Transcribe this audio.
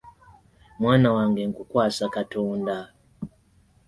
Mwana wange nkukwasa Katonda.